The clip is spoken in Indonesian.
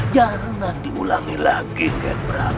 jangan diulangi lagi ger prabu